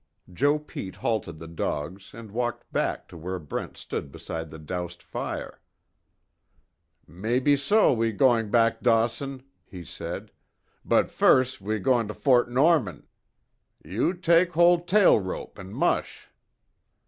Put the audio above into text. Joe Pete halted the dogs and walked back to where Brent stood beside the doused fire: "Mebbe so we goin' back Dawson," he said, "But, firs' we goin' Fo't Norman. You tak hol' tail rope, an' mush."